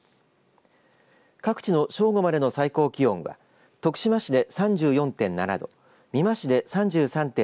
各地の正午までの最高気温は徳島市で３４．７度美馬市で３３．７度